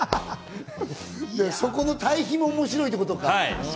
そこの対比も面白いってことか。